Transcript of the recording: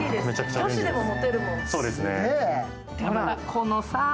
女子でも持てるもん。